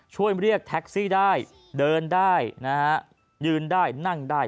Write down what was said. ช่วยเรียกแท็กซี่ได้เดินได้นะฮะยืนได้นั่งได้